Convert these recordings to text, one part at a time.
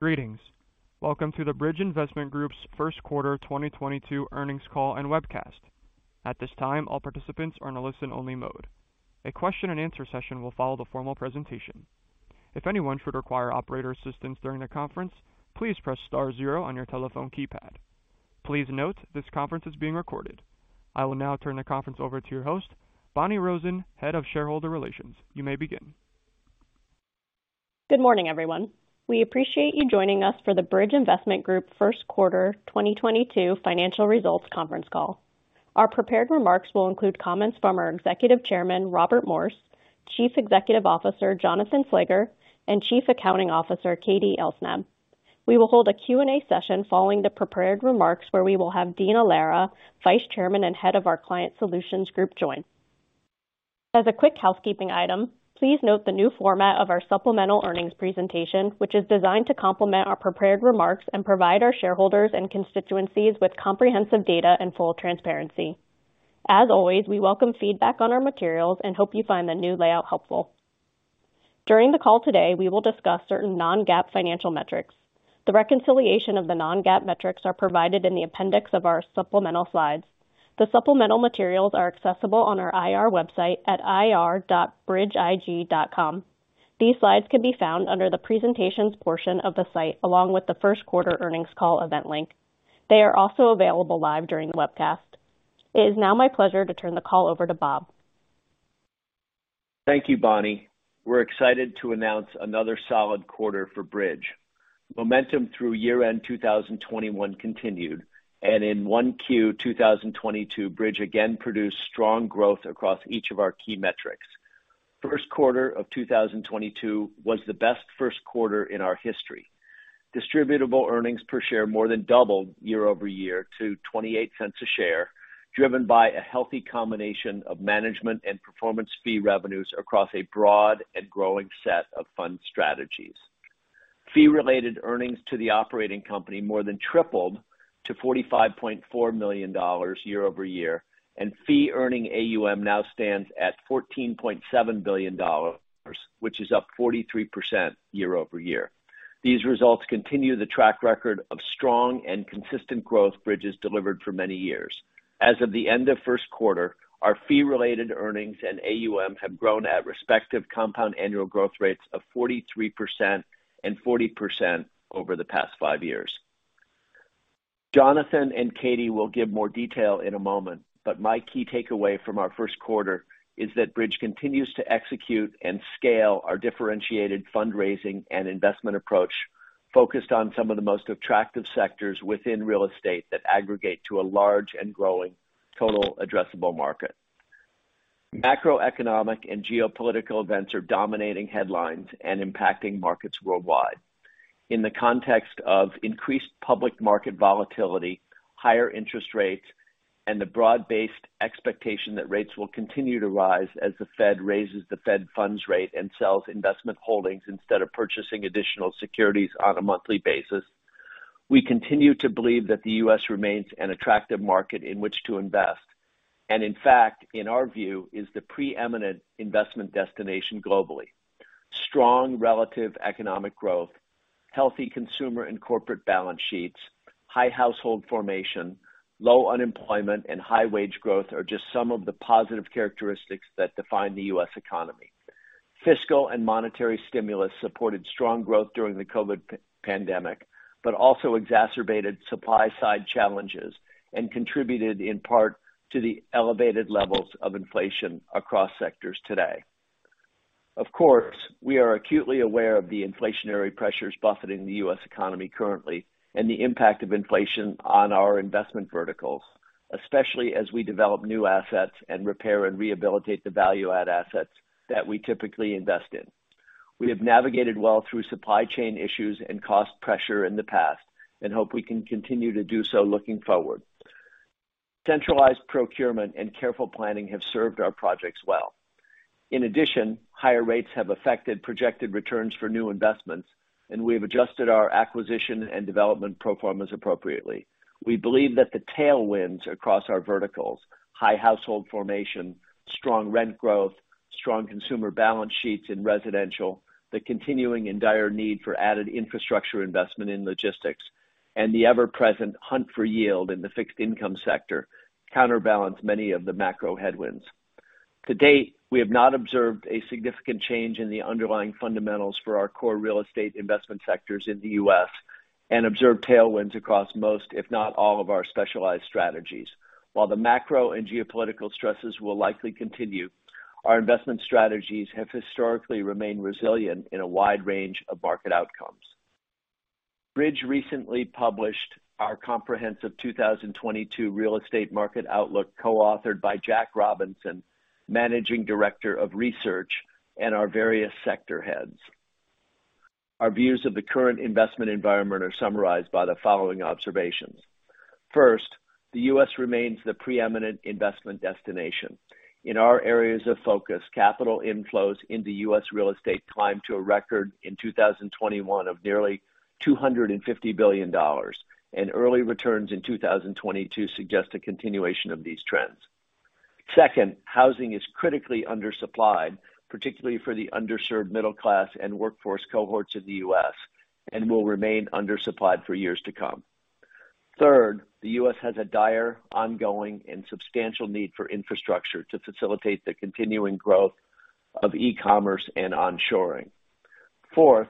Greetings. Welcome to the Bridge Investment Group's first quarter 2022 earnings call and webcast. At this time, all participants are in a listen-only mode. A question and answer session will follow the formal presentation. If anyone should require operator assistance during the conference, please press star zero on your telephone keypad. Please note this conference is being recorded. I will now turn the conference over to your host, Bonni Rosen, Head of Shareholder Relations. You may begin. Good morning, everyone. We appreciate you joining us for the Bridge Investment Group first quarter 2022 financial results conference call. Our prepared remarks will include comments from our Executive Chairman, Robert Morse, Chief Executive Officer Jonathan Slager, and Chief Accounting Officer Katie Elsnab. We will hold a Q&A session following the prepared remarks where we will have Dean Allara, Vice Chairman and head of our Client Solutions Group, join. As a quick housekeeping item, please note the new format of our supplemental earnings presentation, which is designed to complement our prepared remarks and provide our shareholders and constituencies with comprehensive data and full transparency. As always, we welcome feedback on our materials and hope you find the new layout helpful. During the call today, we will discuss certain non-GAAP financial metrics. The reconciliation of the non-GAAP metrics are provided in the appendix of our supplemental slides. The supplemental materials are accessible on our IR website at ir.bridgeig.com. These slides can be found under the presentations portion of the site, along with the first quarter earnings call event link. They are also available live during the webcast. It is now my pleasure to turn the call over to Bob. Thank you, Bonni. We're excited to announce another solid quarter for Bridge. Momentum through year-end 2021 continued, and in 1Q 2022, Bridge again produced strong growth across each of our key metrics. First quarter of 2022 was the best first quarter in our history. Distributable earnings per share more than doubled year-over-year to $0.28 per share, driven by a healthy combination of management and performance fee revenues across a broad and growing set of fund strategies. Fee-related earnings to the operating company more than tripled to $45.4 million year-over-year, and fee earning AUM now stands at $14.7 billion, which is up 43% year-over-year. These results continue the track record of strong and consistent growth Bridge has delivered for many years. As of the end of first quarter, our fee-related earnings and AUM have grown at respective compound annual growth rates of 43% and 40% over the past five years. Jonathan and Katie will give more detail in a moment, but my key takeaway from our first quarter is that Bridge continues to execute and scale our differentiated fundraising and investment approach focused on some of the most attractive sectors within real estate that aggregate to a large and growing total addressable market. Macroeconomic and geopolitical events are dominating headlines and impacting markets worldwide. In the context of increased public market volatility, higher interest rates, and the broad-based expectation that rates will continue to rise as the Fed raises the federal funds rate and sells investment holdings instead of purchasing additional securities on a monthly basis. We continue to believe that the U.S. remains an attractive market in which to invest, and in fact, in our view, is the preeminent investment destination globally. Strong relative economic growth, healthy consumer and corporate balance sheets, high household formation, low unemployment, and high wage growth are just some of the positive characteristics that define the U.S. economy. Fiscal and monetary stimulus supported strong growth during the COVID pandemic, but also exacerbated supply-side challenges and contributed in part to the elevated levels of inflation across sectors today. Of course, we are acutely aware of the inflationary pressures buffeting the U.S. economy currently and the impact of inflation on our investment verticals, especially as we develop new assets and repair and rehabilitate the value-add assets that we typically invest in. We have navigated well through supply chain issues and cost pressure in the past and hope we can continue to do so looking forward. Centralized procurement and careful planning have served our projects well. In addition, higher rates have affected projected returns for new investments, and we have adjusted our acquisition and development pro formas appropriately. We believe that the tailwinds across our verticals, high household formation, strong rent growth, strong consumer balance sheets in residential, the continuing and dire need for added infrastructure investment in logistics, and the ever-present hunt for yield in the fixed income sector counterbalance many of the macro headwinds. To date, we have not observed a significant change in the underlying fundamentals for our core real estate investment sectors in the U.S. and observed tailwinds across most, if not all, of our specialized strategies. While the macro and geopolitical stresses will likely continue, our investment strategies have historically remained resilient in a wide range of market outcomes. Bridge recently published our comprehensive 2022 real estate market outlook co-authored by Jack Robinson, Managing Director of Research and our various sector heads. Our views of the current investment environment are summarized by the following observations. First, the U.S. remains the preeminent investment destination. In our areas of focus, capital inflows into U.S. real estate climbed to a record in 2021 of nearly $250 billion, and early returns in 2022 suggest a continuation of these trends. Second, housing is critically undersupplied, particularly for the underserved middle class and workforce cohorts in the U.S., and will remain undersupplied for years to come. Third, the U.S. has a dire, ongoing, and substantial need for infrastructure to facilitate the continuing growth of e-commerce and onshoring. Fourth,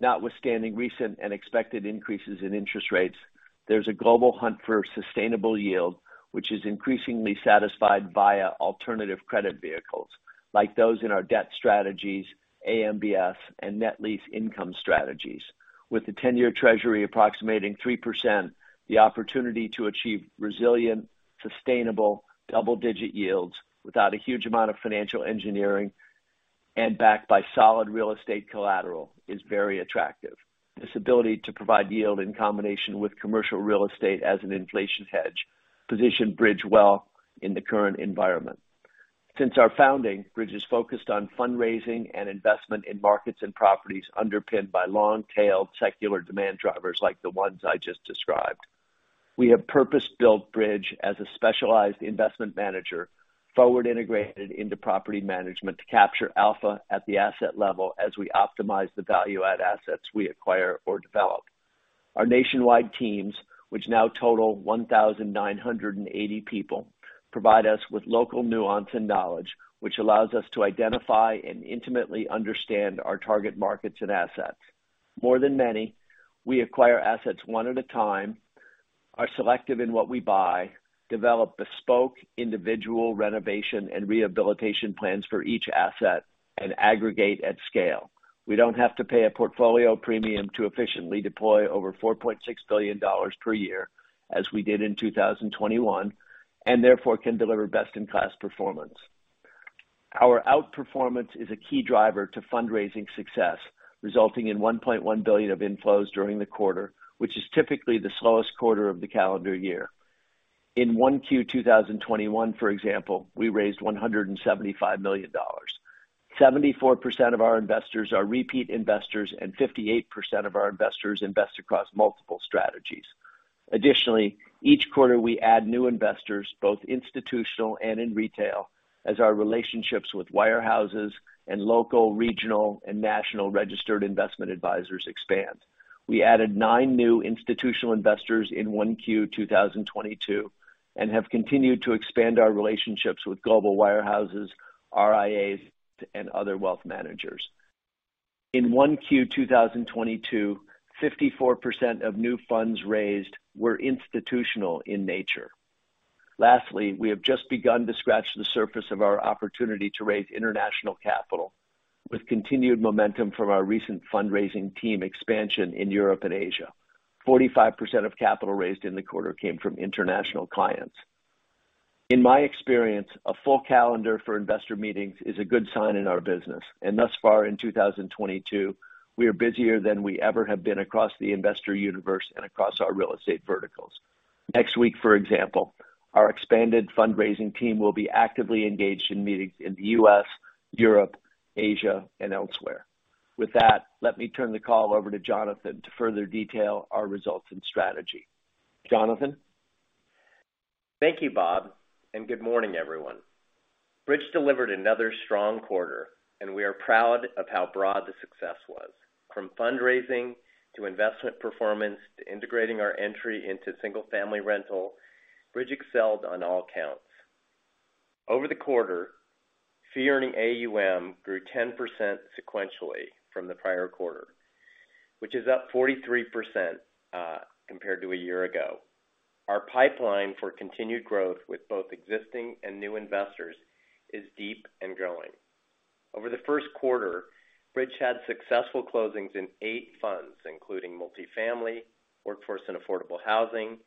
notwithstanding recent and expected increases in interest rates, there's a global hunt for sustainable yield, which is increasingly satisfied via alternative credit vehicles like those in our Debt Strategies, AMBS, and Net Lease Income strategies. With the ten-year treasury approximating 3%, the opportunity to achieve resilient, sustainable, double-digit yields without a huge amount of financial engineering and backed by solid real estate collateral is very attractive. This ability to provide yield in combination with commercial real estate as an inflation hedge position Bridge well in the current environment. Since our founding, Bridge has focused on fundraising and investment in markets and properties underpinned by long-tailed secular demand drivers like the ones I just described. We have purpose-built Bridge as a specialized investment manager, forward integrated into property management to capture alpha at the asset level as we optimize the value-add assets we acquire or develop. Our nationwide teams, which now total 1,980 people, provide us with local nuance and knowledge, which allows us to identify and intimately understand our target markets and assets. More than many, we acquire assets one at a time, are selective in what we buy, develop bespoke individual renovation and rehabilitation plans for each asset, and aggregate at scale. We don't have to pay a portfolio premium to efficiently deploy over $4.6 billion per year, as we did in 2021, and therefore, can deliver best-in-class performance. Our outperformance is a key driver to fundraising success, resulting in $1.1 billion of inflows during the quarter, which is typically the slowest quarter of the calendar year. In 1Q 2021, for example, we raised $175 million. 74% of our investors are repeat investors, and 58% of our investors invest across multiple strategies. Additionally, each quarter we add new investors, both institutional and retail, as our relationships with wirehouses and local, regional, and national registered investment advisors expand. We added nine new institutional investors in 1Q 2022, and have continued to expand our relationships with global wirehouses, RIAs, and other wealth managers. In 1Q 2022, 54% of new funds raised were institutional in nature. Lastly, we have just begun to scratch the surface of our opportunity to raise international capital with continued momentum from our recent fundraising team expansion in Europe and Asia. 45% of capital raised in the quarter came from international clients. In my experience, a full calendar for investor meetings is a good sign in our business, and thus far in 2022, we are busier than we ever have been across the investor universe and across our real estate verticals. Next week, for example, our expanded fundraising team will be actively engaged in meetings in the U.S., Europe, Asia, and elsewhere. With that, let me turn the call over to Jonathan to further detail our results and strategy. Jonathan? Thank you, Bob, and good morning, everyone. Bridge delivered another strong quarter, and we are proud of how broad the success was. From fundraising to investment performance to integrating our entry into single-family rental, Bridge excelled on all counts. Over the quarter, fee earning AUM grew 10% sequentially from the prior quarter, which is up 43% compared to a year ago. Our pipeline for continued growth with both existing and new investors is deep and growing. Over the first quarter, Bridge had successful closings in 8 funds, including Multifamily, Workforce and Affordable Housing,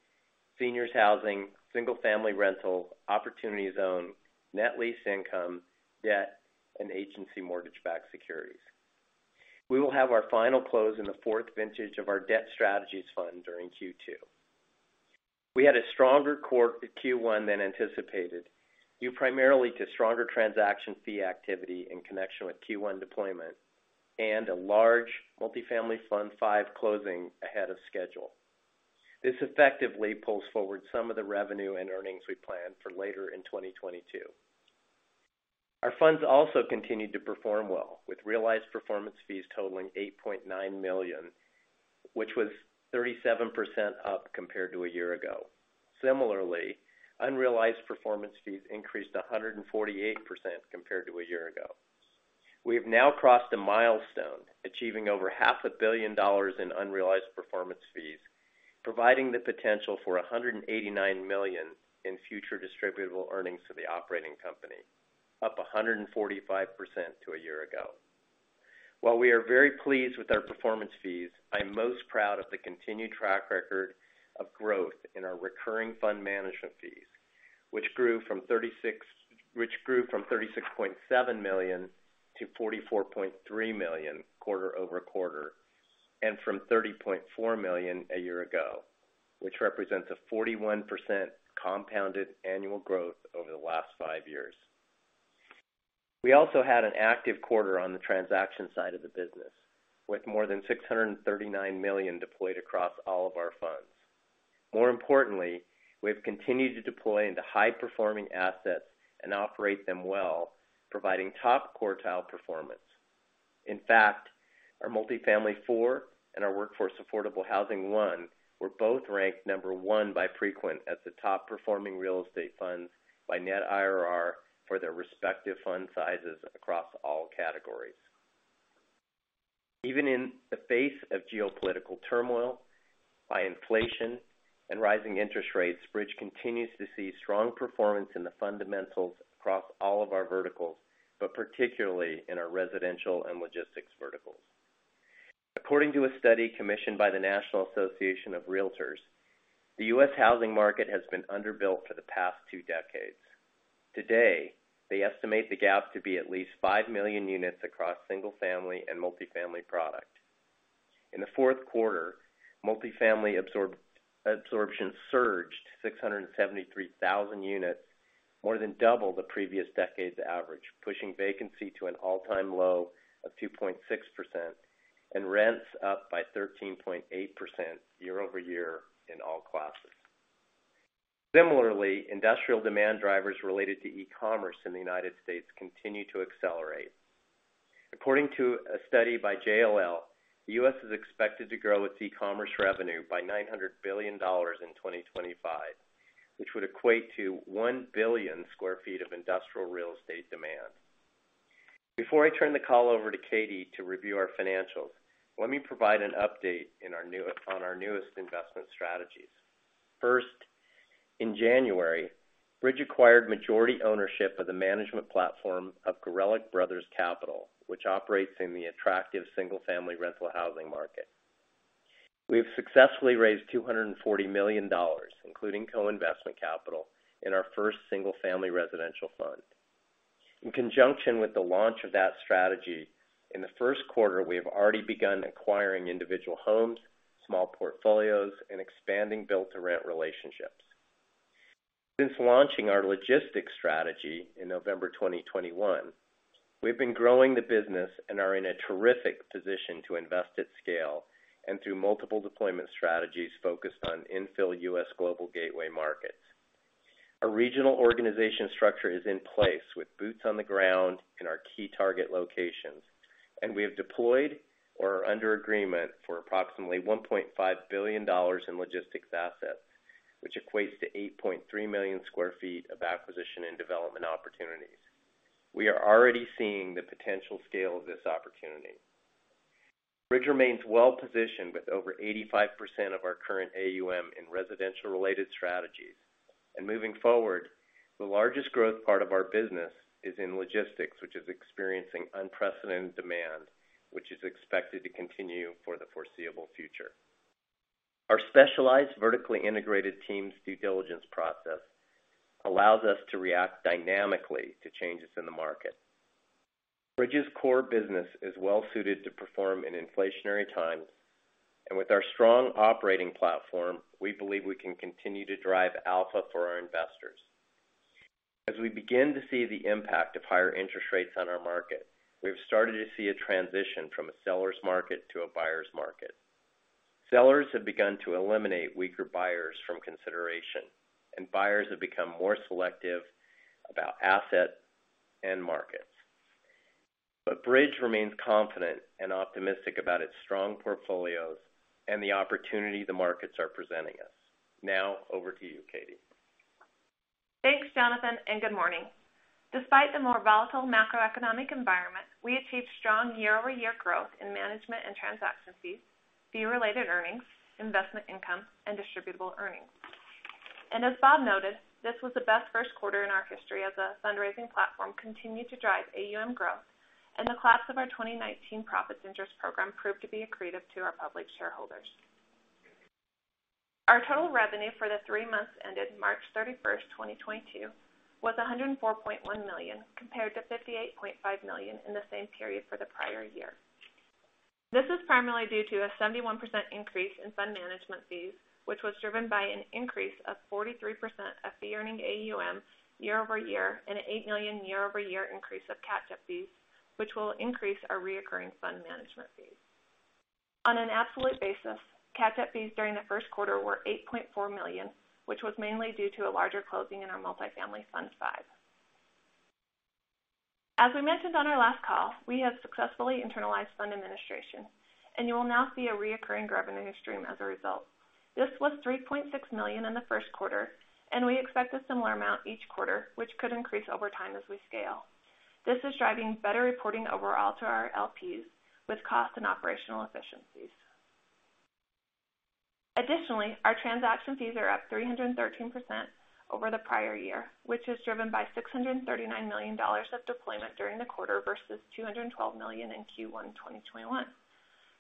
Seniors Housing, single-family rental, Opportunity Zone, Net Lease Income, debt, and Agency Mortgage-Backed Securities. We will have our final close in the fourth vintage of our Debt Strategies Fund during Q2. We had a stronger Q1 than anticipated, due primarily to stronger transaction fee activity in connection with Q1 deployment and a large Multifamily Fund V closing ahead of schedule. This effectively pulls forward some of the revenue and earnings we planned for later in 2022. Our funds also continued to perform well with realized performance fees totaling $8.9 million, which was 37% up compared to a year ago. Similarly, unrealized performance fees increased 148% compared to a year ago. We have now crossed a milestone, achieving over half a billion dollars in unrealized performance fees, providing the potential for $189 million in future distributable earnings to the operating company, up 145% to a year ago. While we are very pleased with our performance fees, I'm most proud of the continued track record of growth in our recurring fund management fees, which grew from $36.7 million to $44.3 million quarter-over-quarter, and from $30.4 million a year ago, which represents a 41% compounded annual growth over the last 5 years. We also had an active quarter on the transaction side of the business, with more than $639 million deployed across all of our funds. More importantly, we've continued to deploy into high-performing assets and operate them well, providing top-quartile performance. In fact, our Multifamily IV and our Workforce Affordable Housing I were both ranked number one by Preqin as the top-performing real estate funds by net IRR for their respective fund sizes across all categories. Even in the face of geopolitical turmoil, high inflation and rising interest rates, Bridge continues to see strong performance in the fundamentals across all of our verticals, but particularly in our residential and logistics verticals. According to a study commissioned by the National Association of Realtors, the U.S. housing market has been underbuilt for the past two decades. Today, they estimate the gap to be at least 5 million units across single-family and multifamily product. In the fourth quarter, multifamily absorption surged 673,000 units, more than double the previous decade's average, pushing vacancy to an all-time low of 2.6% and rents up by 13.8% year-over-year in all classes. Similarly, industrial demand drivers related to e-commerce in the United States continue to accelerate. According to a study by JLL, the U.S. is expected to grow its e-commerce revenue by $900 billion in 2025, which would equate to 1 billion sq ft of industrial real estate demand. Before I turn the call over to Katie to review our financials, let me provide an update on our newest investment strategies. First, in January, Bridge acquired majority ownership of the management platform of Gorelick Brothers Capital, which operates in the attractive single-family rental housing market. We have successfully raised $240 million, including co-investment capital in our first single-family residential fund. In conjunction with the launch of that strategy, in the first quarter, we have already begun acquiring individual homes, small portfolios, and expanding build-to-rent relationships. Since launching our logistics strategy in November 2021, we've been growing the business and are in a terrific position to invest at scale and through multiple deployment strategies focused on infill US global gateway markets. A regional organization structure is in place with boots on the ground in our key target locations, and we have deployed or are under agreement for approximately $1.5 billion in logistics assets, which equates to 8.3 million sq ft of acquisition and development opportunities. We are already seeing the potential scale of this opportunity. Bridge remains well-positioned with over 85% of our current AUM in residential-related strategies. Moving forward, the largest growth part of our business is in logistics, which is experiencing unprecedented demand, which is expected to continue for the foreseeable future. Our specialized vertically integrated teams due diligence process allows us to react dynamically to changes in the market. Bridge's core business is well suited to perform in inflationary times, and with our strong operating platform, we believe we can continue to drive alpha for our investors. As we begin to see the impact of higher interest rates on our market, we've started to see a transition from a seller's market to a buyer's market. Sellers have begun to eliminate weaker buyers from consideration, and buyers have become more selective about assets and markets. Bridge remains confident and optimistic about its strong portfolios and the opportunity the markets are presenting us. Now, over to you, Katie. Thanks, Jonathan, and good morning. Despite the more volatile macroeconomic environment, we achieved strong year-over-year growth in management and transaction fees, fee-related earnings, investment income, and distributable earnings. As Bob noted, this was the best first quarter in our history as a fundraising platform continued to drive AUM growth, and the class of our 2019 profits interest program proved to be accretive to our public shareholders. Our total revenue for the three months ended March 31, 2022 was $104.1 million, compared to $58.5 million in the same period for the prior year. This is primarily due to a 71% increase in fund management fees, which was driven by an increase of 43% of fee earning AUM year-over-year and an $8 million year-over-year increase of catch-up fees, which will increase our recurring fund management fees. On an absolute basis, catch-up fees during the first quarter were $8.4 million, which was mainly due to a larger closing in our Multifamily Fund V. As we mentioned on our last call, we have successfully internalized fund administration, and you will now see a recurring revenue stream as a result. This was $3.6 million in the first quarter, and we expect a similar amount each quarter, which could increase over time as we scale. This is driving better reporting overall to our LPs with cost and operational efficiencies. Additionally, our transaction fees are up 313% over the prior year, which was driven by $639 million of deployment during the quarter versus $212 million in Q1 2021.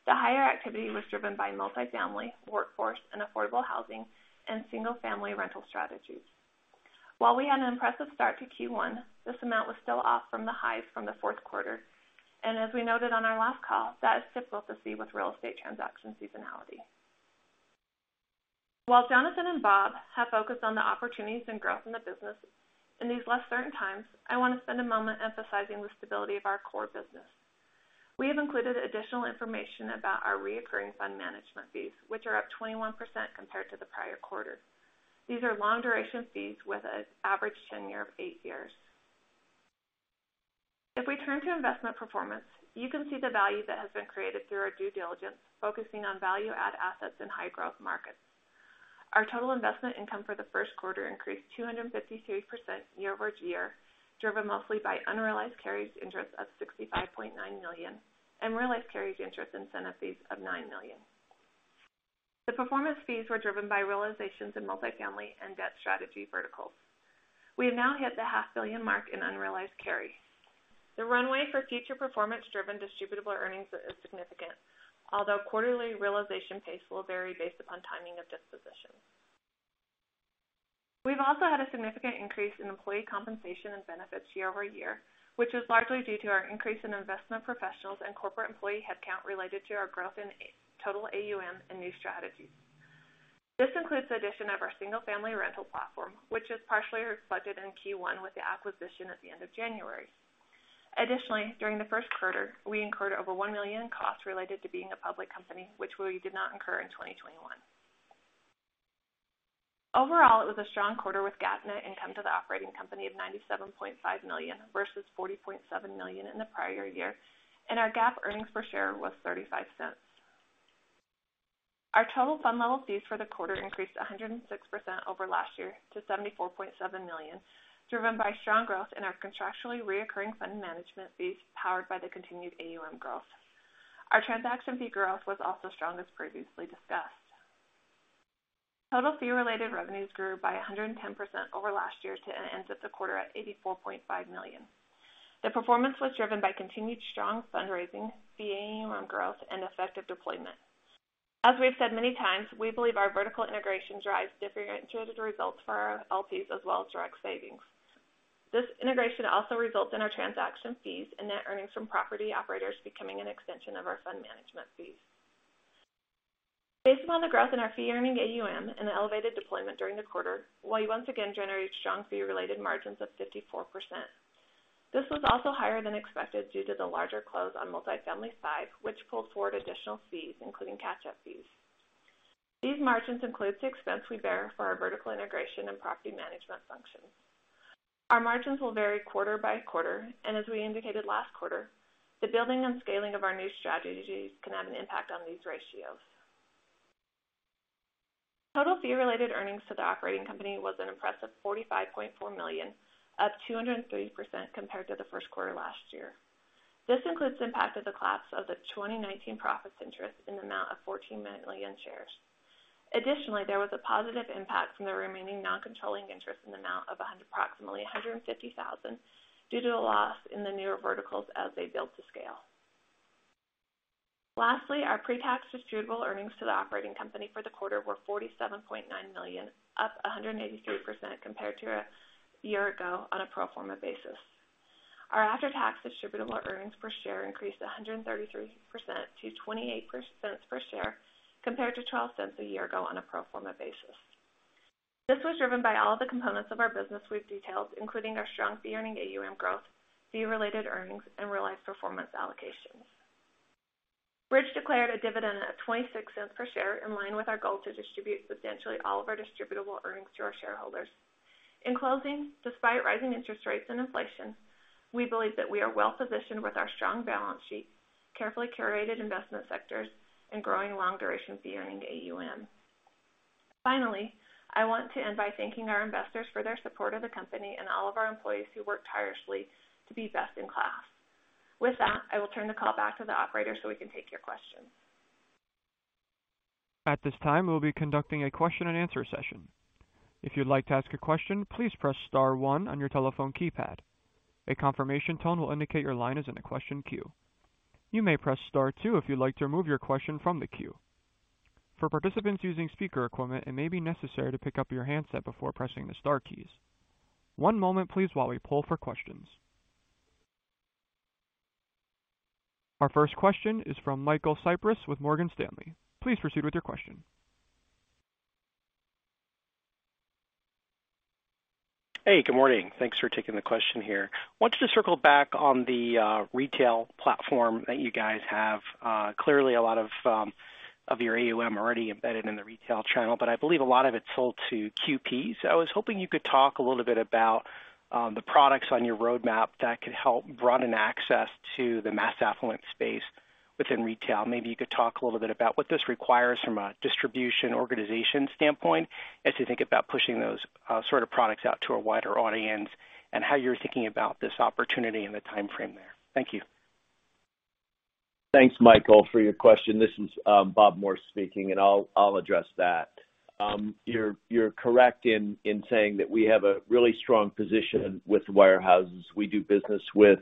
The higher activity was driven by multifamily, workforce, and affordable housing, and single-family rental strategies. While we had an impressive start to Q1, this amount was still off from the highs from the fourth quarter. As we noted on our last call, that is typical to see with real estate transaction seasonality. While Jonathan and Bob have focused on the opportunities and growth in the business in these less certain times, I want to spend a moment emphasizing the stability of our core business. We have included additional information about our recurring fund management fees, which are up 21% compared to the prior quarter. These are long duration fees with an average tenure of eight years. If we turn to investment performance, you can see the value that has been created through our due diligence, focusing on value-add assets in high-growth markets. Our total investment income for the first quarter increased 253% year-over-year, driven mostly by unrealized carried interest of $65.9 million and realized carried interest in incentive fees of $9 million. The performance fees were driven by realizations in multifamily and debt strategy verticals. We have now hit the half billion mark in unrealized carry. The runway for future performance-driven distributable earnings is significant. Although quarterly realization pace will vary based upon timing of dispositions. We've also had a significant increase in employee compensation and benefits year-over-year, which is largely due to our increase in investment professionals and corporate employee headcount related to our growth in total AUM and new strategies. This includes the addition of our single-family rental platform, which is partially reflected in Q1 with the acquisition at the end of January. Additionally, during the first quarter, we incurred over $1 million in costs related to being a public company, which we did not incur in 2021. Overall, it was a strong quarter with GAAP net income to the operating company of $97.5 million versus $40.7 million in the prior year, and our GAAP earnings per share was $0.35. Our total fund level fees for the quarter increased 106% over last year to $74.7 million, driven by strong growth in our contractually recurring fund management fees powered by the continued AUM growth. Our transaction fee growth was also strong, as previously discussed. Total fee-related revenues grew by 110% over last year to end the quarter at $84.5 million. The performance was driven by continued strong fundraising, fee AUM growth, and effective deployment. As we've said many times, we believe our vertical integration drives differentiated results for our LPs as well as direct savings. This integration also results in our transaction fees and net earnings from property operators becoming an extension of our fund management fees. Based upon the growth in our fee earning AUM and the elevated deployment during the quarter, we once again generated strong fee-related margins of 54%. This was also higher than expected due to the larger close on multifamily side, which pulled forward additional fees, including catch-up fees. These margins include the expense we bear for our vertical integration and property management functions. Our margins will vary quarter by quarter, and as we indicated last quarter, the building and scaling of our new strategies can have an impact on these ratios. Total fee-related earnings to the operating company was an impressive $45.4 million, up 203% compared to the first quarter last year. This includes the impact of the collapse of the 2019 profits interest in the amount of 14 million shares. Additionally, there was a positive impact from the remaining non-controlling interest in the amount of approximately $150,000 due to a loss in the newer verticals as they build to scale. Lastly, our pre-tax distributable earnings to the operating company for the quarter were $47.9 million, up 183% compared to a year ago on a pro forma basis. Our after-tax distributable earnings per share increased 133% to $0.28 per share, compared to $0.12 a year ago on a pro forma basis. This was driven by all the components of our business we've detailed, including our strong fee earning AUM growth, fee related earnings, and realized performance allocations. Bridge declared a dividend of $0.26 per share in line with our goal to distribute substantially all of our distributable earnings to our shareholders. In closing, despite rising interest rates and inflation, we believe that we are well-positioned with our strong balance sheet, carefully curated investment sectors, and growing long duration fee earning AUM. Finally, I want to end by thanking our investors for their support of the company and all of our employees who work tirelessly to be best in class. With that, I will turn the call back to the operator so we can take your questions. At this time, we'll be conducting a question and answer session. If you'd like to ask a question, please press star one on your telephone keypad. A confirmation tone will indicate your line is in a question queue. You may press Star two if you'd like to remove your question from the queue. For participants using speaker equipment, it may be necessary to pick up your handset before pressing the star keys. One moment please while we pull for questions. Our first question is from Michael Cyprys with Morgan Stanley. Please proceed with your question. Hey, good morning. Thanks for taking the question here. Wanted to circle back on the retail platform that you guys have. Clearly a lot of your AUM already embedded in the retail channel, but I believe a lot of it's sold to QPs. So I was hoping you could talk a little bit about the products on your roadmap that could help broaden access to the mass affluent space within retail. Maybe you could talk a little bit about what this requires from a distribution organization standpoint as you think about pushing those sort of products out to a wider audience, and how you're thinking about this opportunity and the timeframe there. Thank you. Thanks, Michael, for your question. This is Bob Morse speaking, and I'll address that. You're correct in saying that we have a really strong position with wirehouses. We do business with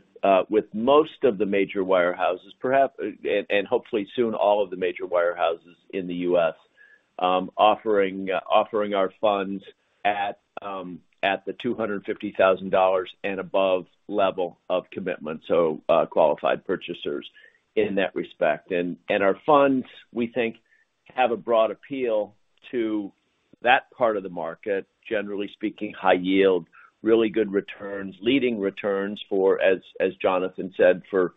most of the major wirehouses, perhaps, and hopefully soon all of the major wirehouses in the U.S., offering our funds at $250,000 and above level of commitment, so qualified purchasers in that respect. Our funds, we think, have a broad appeal to that part of the market, generally speaking, high yield, really good returns, leading returns for, as Jonathan said, for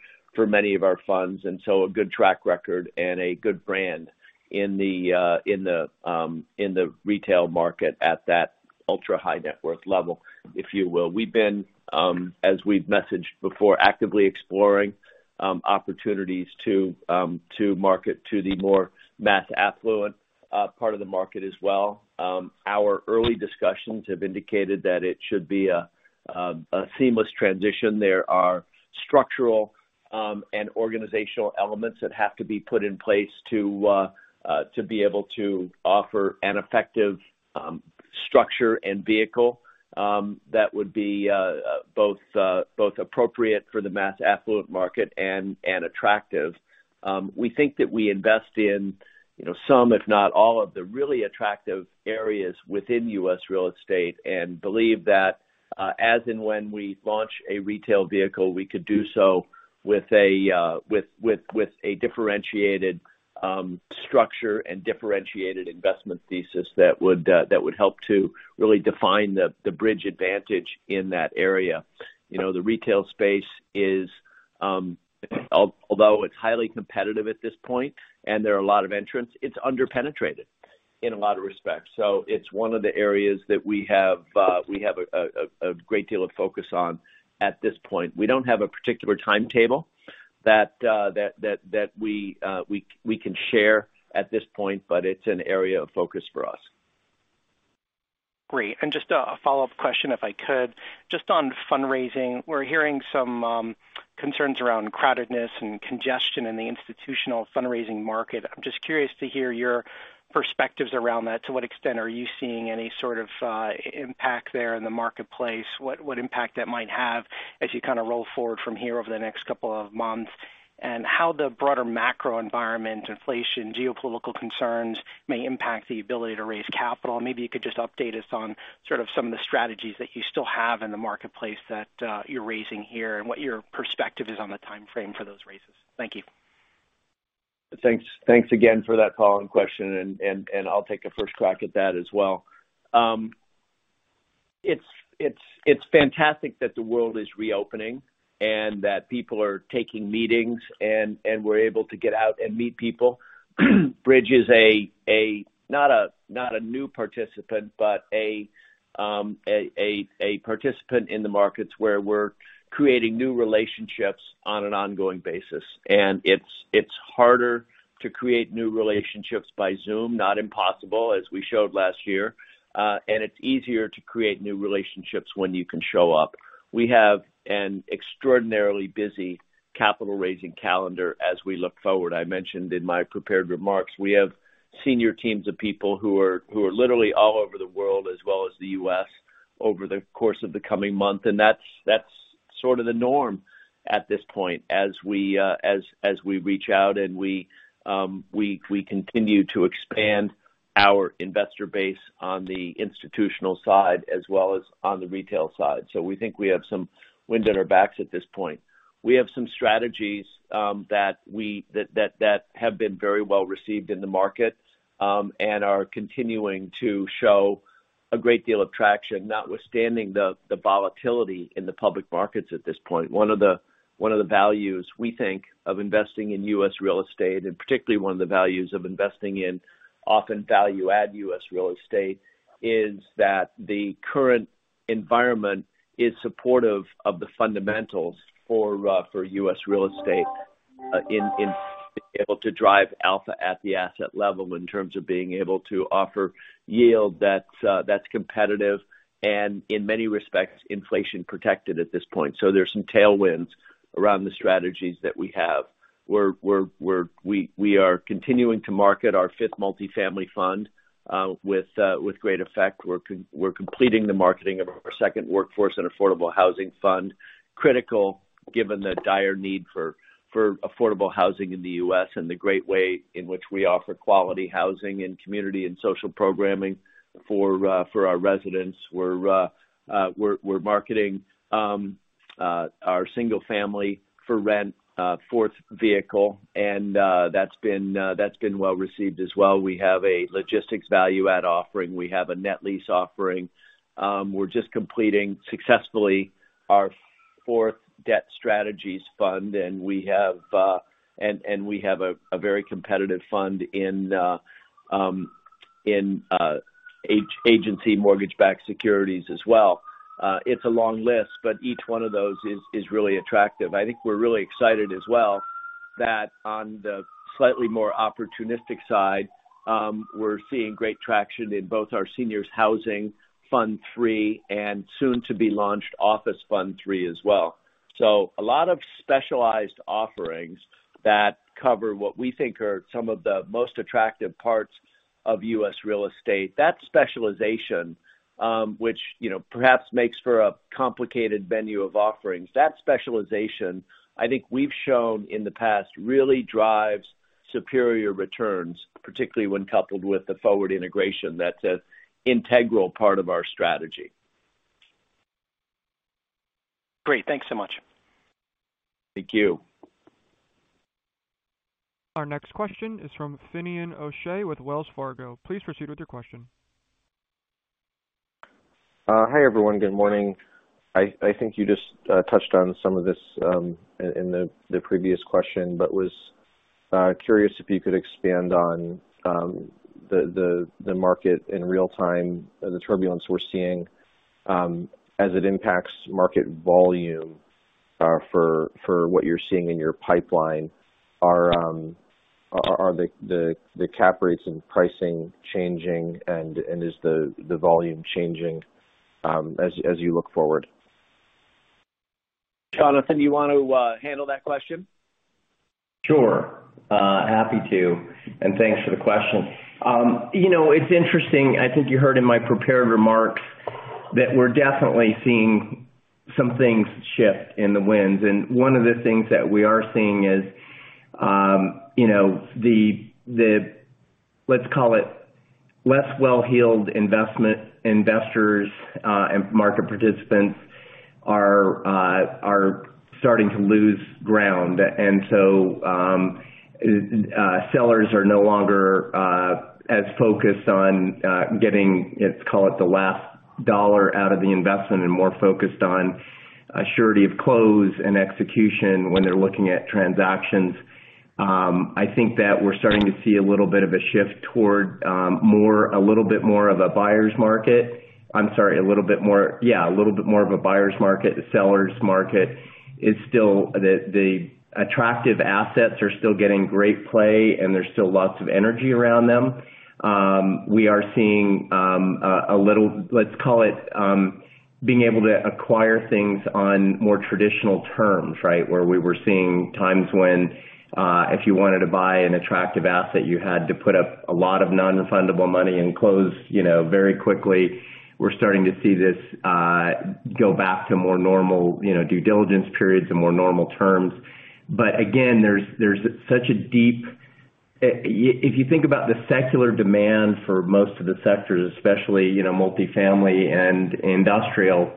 many of our funds, and so a good track record and a good brand in the retail market at that ultra-high net worth level, if you will. We've been, as we've messaged before, actively exploring opportunities to market to the more mass affluent part of the market as well. Our early discussions have indicated that it should be a seamless transition. There are structural and organizational elements that have to be put in place to be able to offer an effective structure and vehicle that would be both appropriate for the mass affluent market and attractive. We think that we invest in, you know, some, if not all, of the really attractive areas within U.S. real estate and believe that, as and when we launch a retail vehicle, we could do so with a differentiated structure and differentiated investment thesis that would help to really define the Bridge advantage in that area. You know, the retail space is, although it's highly competitive at this point, and there are a lot of entrants, it's under-penetrated in a lot of respects. It's one of the areas that we have a great deal of focus on at this point. We don't have a particular timetable that we can share at this point, but it's an area of focus for us. Great. Just a follow-up question, if I could. Just on fundraising, we're hearing some concerns around crowdedness and congestion in the institutional fundraising market. I'm just curious to hear your perspectives around that. To what extent are you seeing any sort of impact there in the marketplace? What impact that might have as you kinda roll forward from here over the next couple of months, and how the broader macro environment, inflation, geopolitical concerns may impact the ability to raise capital. Maybe you could just update us on sort of some of the strategies that you still have in the marketplace that you're raising here, and what your perspective is on the timeframe for those raises. Thank you. Thanks. Thanks again for that follow-on question, and I'll take a first crack at that as well. It's fantastic that the world is reopening and that people are taking meetings and we're able to get out and meet people. Bridge is not a new participant, but a participant in the markets where we're creating new relationships on an ongoing basis. It's harder to create new relationships by Zoom, not impossible, as we showed last year. It's easier to create new relationships when you can show up. We have an extraordinarily busy capital raising calendar as we look forward. I mentioned in my prepared remarks, we have senior teams of people who are literally all over the world as well as the US over the course of the coming month, and that's sort of the norm at this point as we reach out and we continue to expand our investor base on the institutional side as well as on the retail side. We think we have some wind at our backs at this point. We have some strategies that have been very well received in the market and are continuing to show a great deal of traction, notwithstanding the volatility in the public markets at this point. One of the values we think of investing in U.S. real estate, and particularly one of the values of investing in often value-add U.S. real estate, is that the current environment is supportive of the fundamentals for U.S. real estate in being able to drive alpha at the asset level in terms of being able to offer yield that's competitive and in many respects, inflation protected at this point. There's some tailwinds around the strategies that we have. We are continuing to market our fifth multifamily fund with great effect. We're completing the marketing of our second Workforce and Affordable Housing Fund, critical, given the dire need for affordable housing in the U.S. and the great way in which we offer quality housing and community and social programming for our residents. We're marketing our single-family rental fourth vehicle, and that's been well-received as well. We have a Logistics Value-Add offering. We have a Net Lease offering. We're just completing successfully our fourth Debt Strategies Fund, and we have a very competitive fund in Agency Mortgage-Backed Securities as well. It's a long list, but each one of those is really attractive. I think we're really excited as well that on the slightly more opportunistic side, we're seeing great traction in both our Seniors Housing Fund III and soon to be launched Office Fund III as well. A lot of specialized offerings that cover what we think are some of the most attractive parts of U.S. real estate. That specialization, which, you know, perhaps makes for a complicated menu of offerings. That specialization, I think we've shown in the past, really drives superior returns, particularly when coupled with the forward integration. That's an integral part of our strategy. Great. Thanks so much. Thank you. Our next question is from Finian O'Shea with Wells Fargo. Please proceed with your question. Hi, everyone. Good morning. I think you just touched on some of this in the previous question, but was curious if you could expand on the market in real time, the turbulence we're seeing as it impacts market volume for what you're seeing in your pipeline. Are the cap rates and pricing changing and is the volume changing as you look forward? Jonathan, do you want to handle that question? Sure. Happy to, and thanks for the question. You know, it's interesting. I think you heard in my prepared remarks that we're definitely seeing some things shift in the winds. One of the things that we are seeing is, you know, let's call it less well-heeled institutional investors and market participants are starting to lose ground. Sellers are no longer as focused on getting, let's call it the last dollar out of the investment and more focused on certainty of close and execution when they're looking at transactions. I think that we're starting to see a little bit of a shift toward a little bit more of a buyer's market. I'm sorry, a little bit more of a buyer's market. The seller's market is still. The attractive assets are still getting great play, and there's still lots of energy around them. We are seeing a little, let's call it, being able to acquire things on more traditional terms, right? Where we were seeing times when, if you wanted to buy an attractive asset, you had to put up a lot of non-refundable money and close, you know, very quickly. We're starting to see this go back to more normal, you know, due diligence periods and more normal terms. Again, if you think about the secular demand for most of the sectors, especially, you know, multifamily and industrial,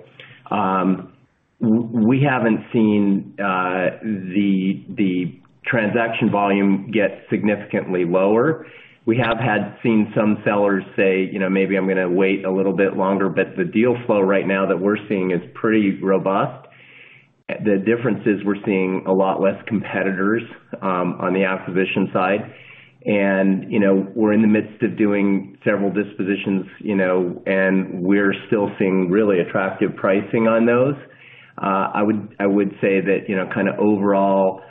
we haven't seen the transaction volume get significantly lower. We have seen some sellers say, "You know, maybe I'm gonna wait a little bit longer." The deal flow right now that we're seeing is pretty robust. The difference is we're seeing a lot less competitors on the acquisition side. You know, we're in the midst of doing several dispositions, you know, and we're still seeing really attractive pricing on those. I would say that, you know, kinda overall,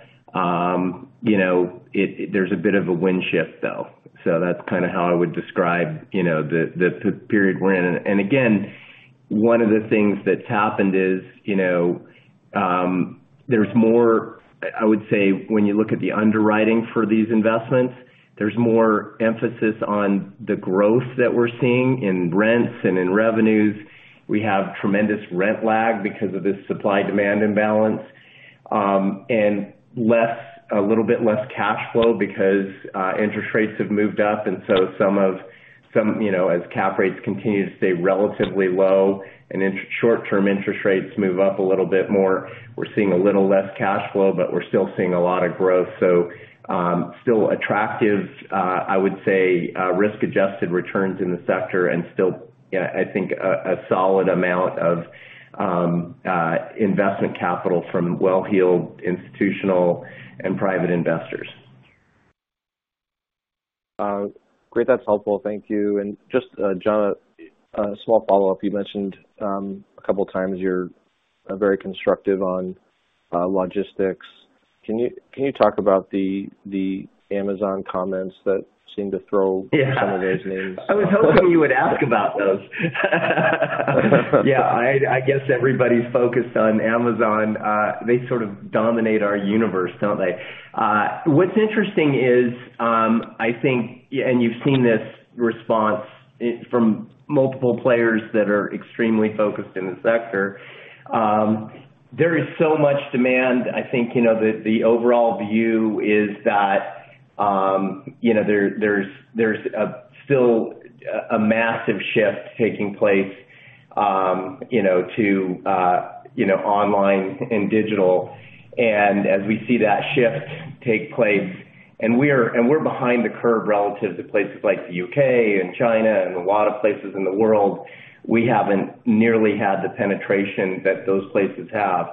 you know, there's a bit of a wind shift, though. That's kinda how I would describe, you know, the period we're in. Again, one of the things that's happened is, you know, there's more, I would say when you look at the underwriting for these investments, there's more emphasis on the growth that we're seeing in rents and in revenues. We have tremendous rent lag because of this supply-demand imbalance, and a little bit less cash flow because interest rates have moved up. Some, you know, as cap rates continue to stay relatively low and short-term interest rates move up a little bit more, we're seeing a little less cash flow, but we're still seeing a lot of growth. Still attractive, I would say, risk-adjusted returns in the sector and still, I think a solid amount of investment capital from well-heeled institutional and private investors. Great. That's helpful. Thank you. Just, John, a small follow-up. You mentioned a couple times you're very constructive on logistics. Can you talk about the Amazon comments that seem to throw- Yeah. Some of those names. I was hoping you would ask about those. Yeah, I guess everybody's focused on Amazon. They sort of dominate our universe, don't they? What's interesting is, I think, and you've seen this response from multiple players that are extremely focused in the sector. There is so much demand. I think, you know, the overall view is that, you know, there is still a massive shift taking place, you know, to online and digital. As we see that shift take place, we're behind the curve relative to places like the UK and China and a lot of places in the world. We haven't nearly had the penetration that those places have.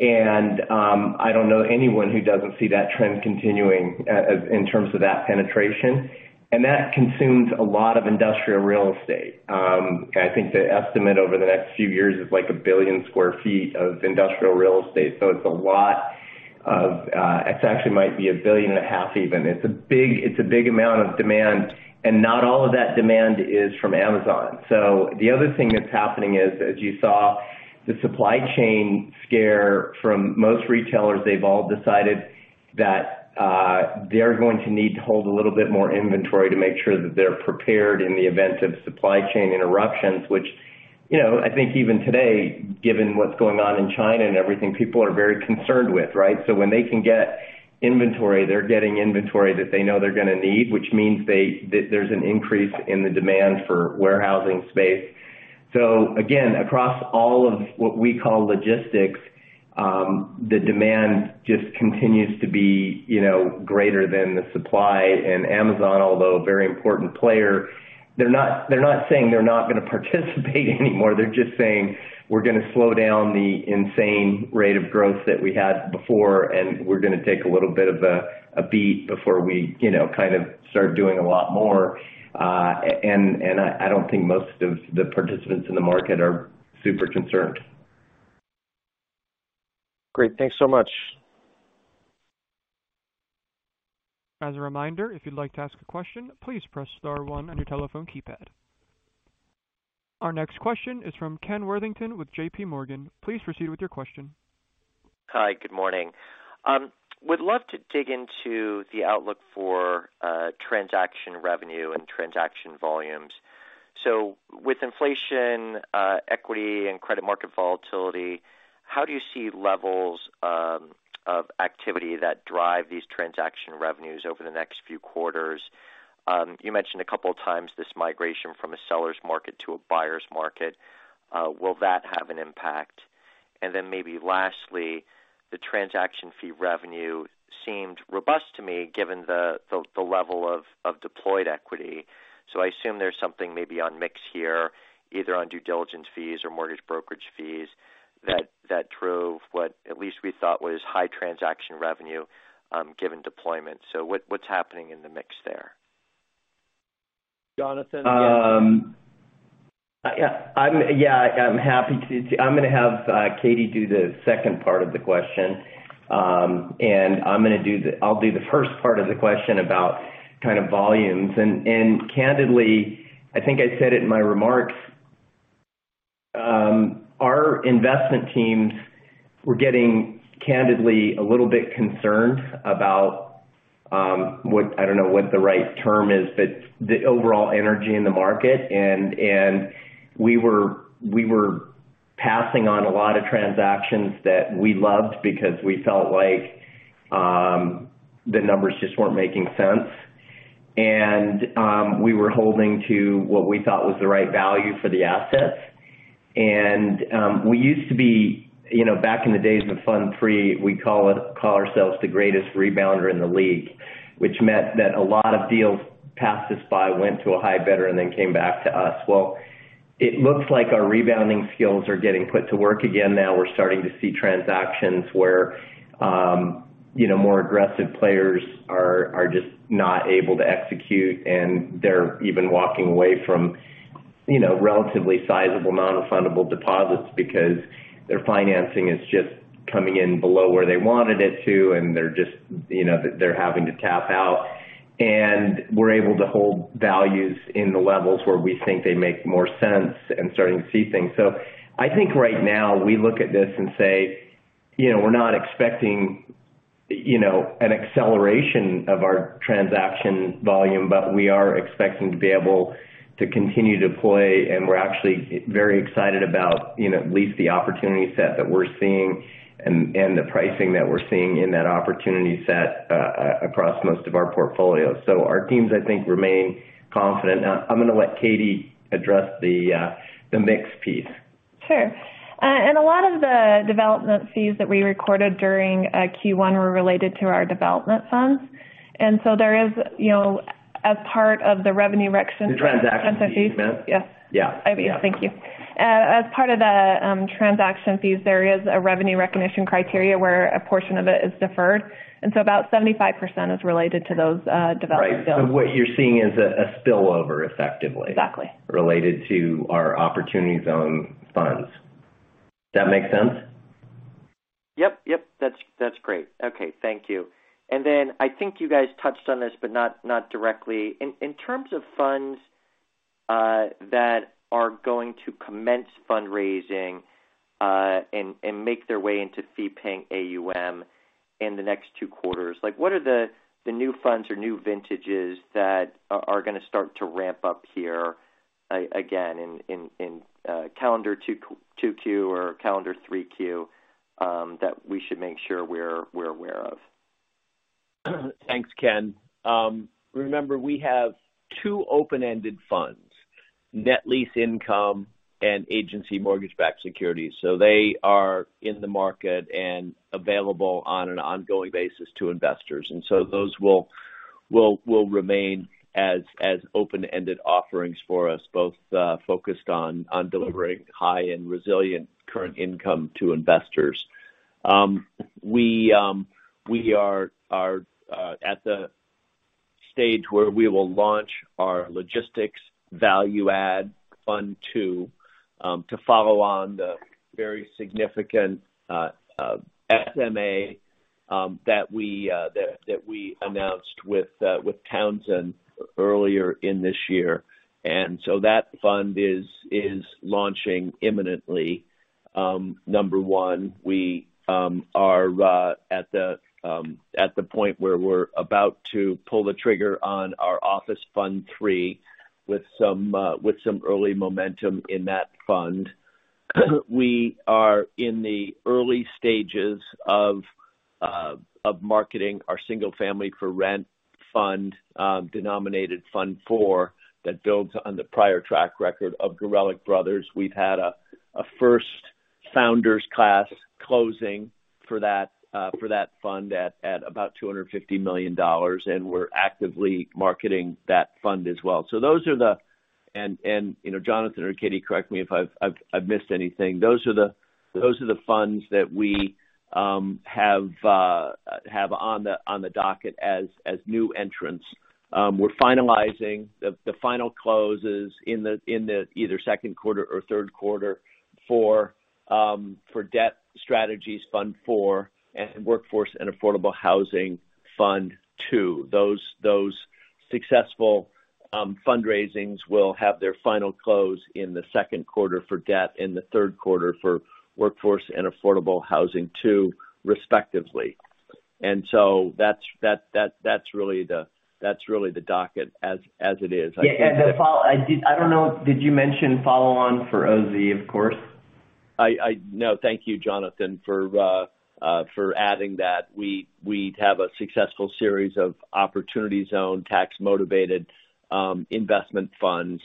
I don't know anyone who doesn't see that trend continuing in terms of that penetration. That consumes a lot of industrial real estate. I think the estimate over the next few years is like 1 billion sq ft of industrial real estate. It's a lot of. Actually, it might be 1.5 billion even. It's a big amount of demand, and not all of that demand is from Amazon. The other thing that's happening is, as you saw, the supply chain scare from most retailers, they've all decided that they're going to need to hold a little bit more inventory to make sure that they're prepared in the event of supply chain interruptions, which, you know, I think even today, given what's going on in China and everything, people are very concerned with, right? When they can get inventory, they're getting inventory that they know they're gonna need, which means there's an increase in the demand for warehousing space. Again, across all of what we call logistics, the demand just continues to be, you know, greater than the supply. And Amazon, although a very important player, they're not saying they're not gonna participate anymore. They're just saying, "We're gonna slow down the insane rate of growth that we had before, and we're gonna take a little bit of a beat before we, you know, kind of start doing a lot more." And I don't think most of the participants in the market are super concerned. Great. Thanks so much. As a reminder, if you'd like to ask a question, please press star one on your telephone keypad. Our next question is from Ken Worthington with J.P. Morgan. Please proceed with your question. Hi, good morning. Would love to dig into the outlook for transaction revenue and transaction volumes. With inflation, equity, and credit market volatility, how do you see levels of activity that drive these transaction revenues over the next few quarters? You mentioned a couple of times this migration from a seller's market to a buyer's market. Will that have an impact? Maybe lastly, the transaction fee revenue seemed robust to me given the level of deployed equity. I assume there's something maybe on mix here, either on due diligence fees or mortgage brokerage fees that drove what at least we thought was high transaction revenue given deployment. What's happening in the mix there? Jonathan? Yeah. I'm happy to. I'm gonna have Katie do the second part of the question. I'll do the first part of the question about kind of volumes. Candidly, I think I said it in my remarks. Our investment teams were getting candidly a little bit concerned about what I don't know what the right term is, but the overall energy in the market. We were passing on a lot of transactions that we loved because we felt like the numbers just weren't making sense. We were holding to what we thought was the right value for the assets. We used to be, you know, back in the days of Fund III, we call ourselves the greatest rebounder in the league, which meant that a lot of deals passed us by, went to a high bidder, and then came back to us. Well, it looks like our rebounding skills are getting put to work again now. We're starting to see transactions where, you know, more aggressive players are just not able to execute, and they're even walking away from, you know, relatively sizable non-refundable deposits because their financing is just coming in below where they wanted it to, and they're just, you know, they're having to tap out. We're able to hold values in the levels where we think they make more sense and starting to see things. I think right now we look at this and say, you know, we're not expecting, you know, an acceleration of our transaction volume, but we are expecting to be able to continue to deploy. We're actually very excited about, you know, at least the opportunity set that we're seeing and the pricing that we're seeing in that opportunity set across most of our portfolios. Our teams, I think, remain confident. Now, I'm gonna let Katie address the mix piece. Sure. A lot of the development fees that we recorded during Q1 were related to our development funds. There is, you know, as part of the revenue rec- The transaction fees. Yes. Yeah. Thank you. As part of the transaction fees, there is a revenue recognition criteria where a portion of it is deferred. About 75% is related to those development bills. Right. What you're seeing is a spillover effectively. Exactly. Related to our Opportunity Zone funds. Does that make sense? Yep, yep. That's great. Okay, thank you. Then I think you guys touched on this, but not directly. In terms of funds that are going to commence fundraising, and make their way into fee earning AUM in the next 2 quarters. Like, what are the new funds or new vintages that are gonna start to ramp up here again in calendar 2Q or calendar 3Q, that we should make sure we're aware of? Thanks, Ken. Remember we have two open-ended funds, Net Lease Income and Agency Mortgage-Backed Securities. They are in the market and available on an ongoing basis to investors. Those will remain as open-ended offerings for us, both focused on delivering high-end resilient current income to investors. We are at the stage where we will launch our Logistics Value Add Fund II to follow on the very significant SMA that we announced with Townsend earlier in this year. That fund is launching imminently. Number one, we are at the point where we're about to pull the trigger on our Office Fund III with some early momentum in that fund. We are in the early stages of marketing our single-family for rent fund, denominated Fund IV, that builds on the prior track record of Gorelick Brothers. We've had a first close for that fund at about $250 million, and we're actively marketing that fund as well. Those are the funds that we have on the docket as new entrants. You know, Jonathan or Katie, correct me if I've missed anything. We're finalizing the final closes in either second quarter or third quarter for Debt Strategies Fund IV and Workforce and Affordable Housing Fund II. Those successful fundraisings will have their final close in the second quarter for debt, in the third quarter for Workforce and Affordable Housing II, respectively. That's really the docket as it is. I think that I don't know, did you mention follow on for OZ, of course? No, thank you, Jonathan, for adding that. We have a successful series of opportunity zone tax-motivated investment funds,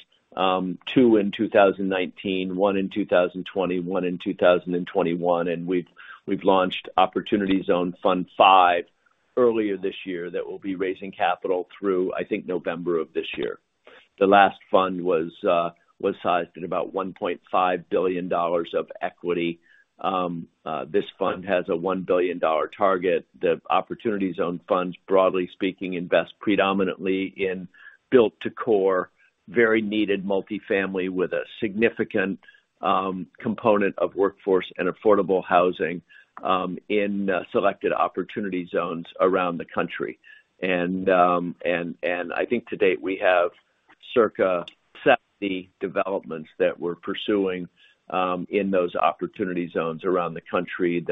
two in 2019, one in 2020, one in 2021, and we've launched Opportunity Zone Fund V earlier this year that will be raising capital through, I think, November of this year. The last fund was sized at about $1.5 billion of equity. This fund has a $1 billion target. The opportunity zone funds, broadly speaking, invest predominantly in built-to-core, very needed multifamily with a significant component of workforce and affordable housing in selected opportunity zones around the country. I think to date we have circa 70 developments that we're pursuing in those opportunity zones around the country.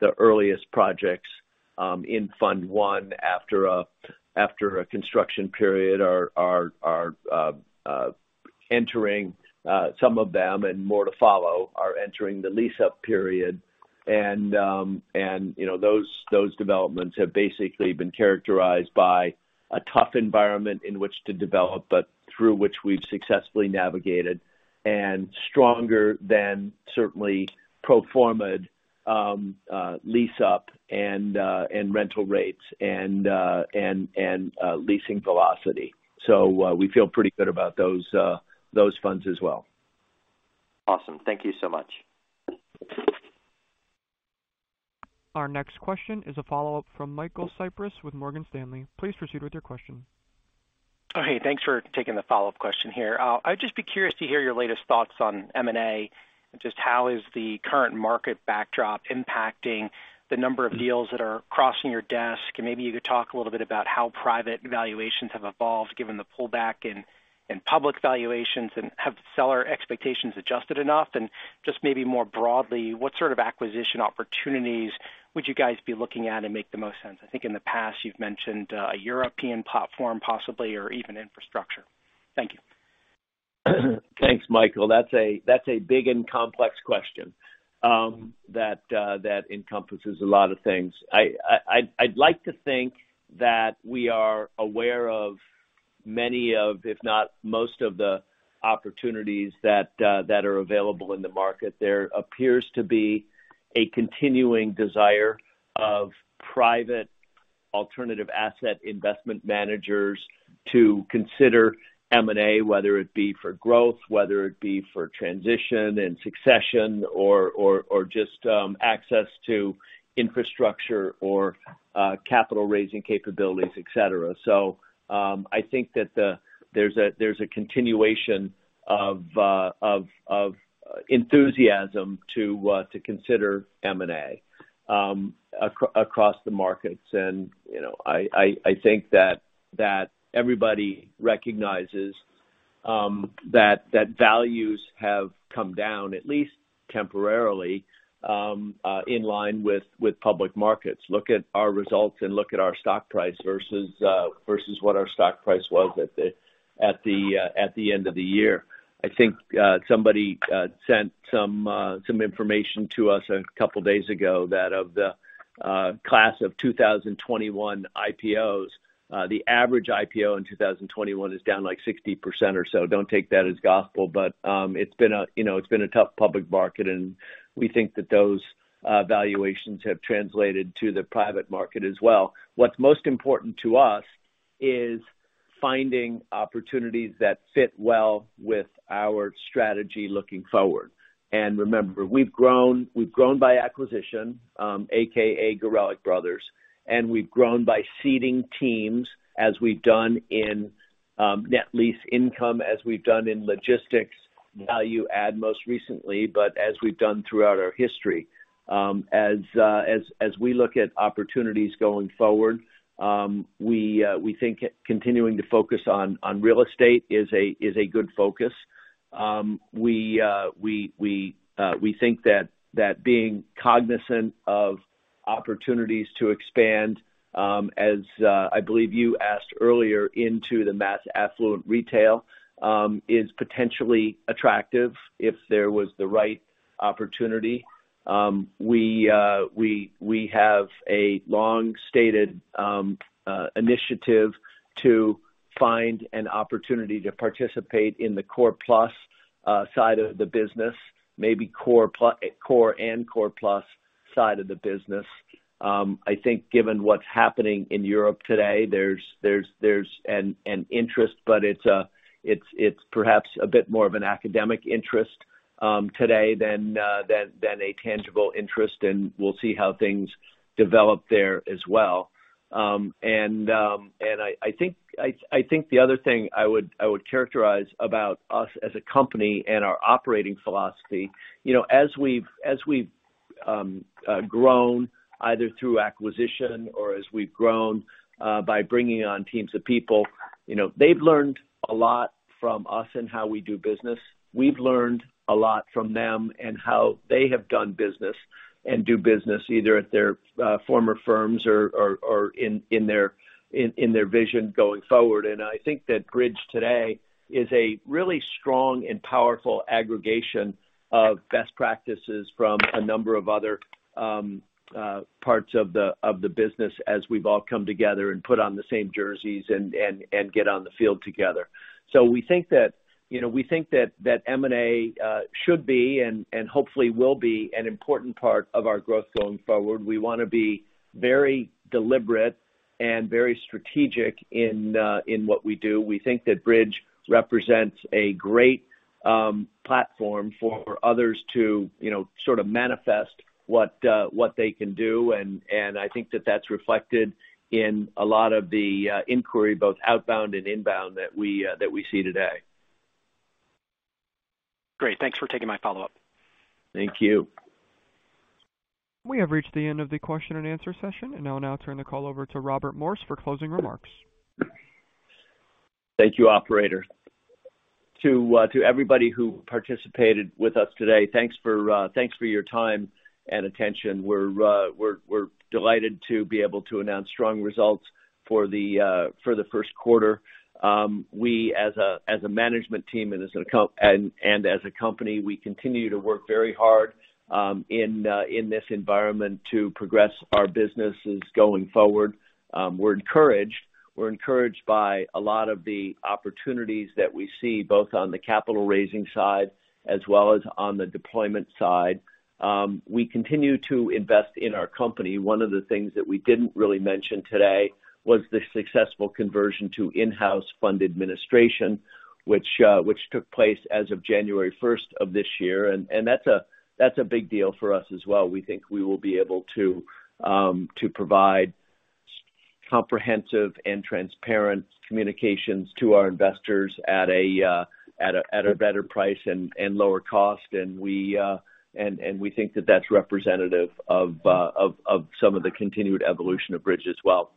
The earliest projects in Fund one after a construction period, some of them and more to follow, are entering the lease-up period. You know, those developments have basically been characterized by a tough environment in which to develop, but through which we've successfully navigated and stronger than certainly pro forma lease-up and leasing velocity. We feel pretty good about those funds as well. Awesome. Thank you so much. Our next question is a follow-up from Michael Cyprys with Morgan Stanley. Please proceed with your question. Okay. Thanks for taking the follow-up question here. I'd just be curious to hear your latest thoughts on M&A and just how is the current market backdrop impacting the number of deals that are crossing your desk? Maybe you could talk a little bit about how private valuations have evolved given the pullback in public valuations, and have seller expectations adjusted enough? Just maybe more broadly, what sort of acquisition opportunities would you guys be looking at and make the most sense? I think in the past you've mentioned a European platform possibly or even infrastructure. Thank you. Thanks, Michael. That's a big and complex question that encompasses a lot of things. I'd like to think that we are aware of many of, if not most of, the opportunities that are available in the market. There appears to be a continuing desire of private alternative asset investment managers to consider M&A, whether it be for growth, whether it be for transition and succession or just access to infrastructure or capital raising capabilities, et cetera. I think that there's a continuation of enthusiasm to consider M&A across the markets. You know, I think that everybody recognizes that values have come down at least temporarily in line with public markets. Look at our results and look at our stock price versus what our stock price was at the end of the year. I think somebody sent some information to us a couple days ago that of the class of 2021 IPOs, the average IPO in 2021 is down like 60% or so. Don't take that as gospel, but it's been a you know tough public market, and we think that those valuations have translated to the private market as well. What's most important to us is finding opportunities that fit well with our strategy looking forward. Remember, we've grown by acquisition, AKA Gorelick Brothers, and we've grown by seeding teams as we've done in Net Lease Income, as we've done in Logistics Value-Add most recently, but as we've done throughout our history. As we look at opportunities going forward, we think that being cognizant of opportunities to expand, as I believe you asked earlier into the mass affluent retail, is potentially attractive if there was the right opportunity. We have a long-stated initiative to find an opportunity to participate in the core-plus side of the business, maybe core and core-plus side of the business. I think given what's happening in Europe today, there's an interest, but it's perhaps a bit more of an academic interest today than a tangible interest, and we'll see how things develop there as well. I think the other thing I would characterize about us as a company and our operating philosophy, you know, as we've grown either through acquisition or as we've grown by bringing on teams of people, you know, they've learned a lot from us and how we do business. We've learned a lot from them and how they have done business and do business, either at their former firms or in their vision going forward. I think that Bridge today is a really strong and powerful aggregation of best practices from a number of other parts of the business as we've all come together and put on the same jerseys and get on the field together. We think that, you know, we think that that M&A should be and hopefully will be an important part of our growth going forward. We wanna be very deliberate and very strategic in what we do. We think that Bridge represents a great platform for others to, you know, sort of manifest what they can do. I think that that's reflected in a lot of the inquiry, both outbound and inbound that we see today. Great. Thanks for taking my follow-up. Thank you. We have reached the end of the question and answer session, and I'll now turn the call over to Robert Morse for closing remarks. Thank you, operator. To everybody who participated with us today, thanks for your time and attention. We're delighted to be able to announce strong results for the first quarter. We as a management team and as a company, we continue to work very hard in this environment to progress our businesses going forward. We're encouraged by a lot of the opportunities that we see, both on the capital raising side as well as on the deployment side. We continue to invest in our company. One of the things that we didn't really mention today was the successful conversion to in-house fund administration, which took place as of January first of this year. That's a big deal for us as well. We think we will be able to provide comprehensive and transparent communications to our investors at a better price and lower cost. We think that that's representative of some of the continued evolution of Bridge as well.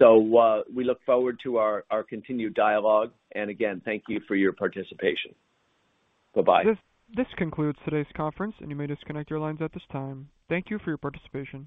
We look forward to our continued dialogue. Again, thank you for your participation. Bye-bye. This concludes today's conference, and you may disconnect your lines at this time. Thank you for your participation.